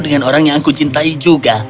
dengan orang yang aku cintai juga